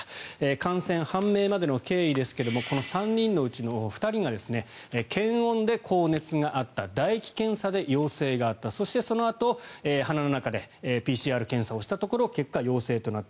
感染判明までの経緯ですがこの３人のうちの２人が検温で高熱があっただ液検査で陽性があったそしてそのあと鼻の中でＰＣＲ検査をしたところ結果、陽性となった。